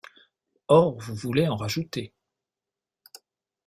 Or vous voulez en rajouter.